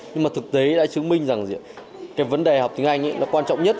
nhưng mà thực tế đã chứng minh rằng cái vấn đề học tiếng anh ấy nó quan trọng nhất